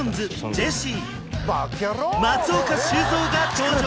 ジェシー松岡修造が登場